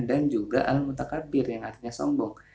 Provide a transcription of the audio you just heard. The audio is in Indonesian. dan juga al mutakabir yang artinya sombong